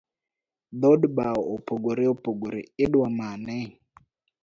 Dhood bau opogore opogore, idua mane?